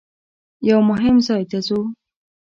یوه مهم ځای ته ځو.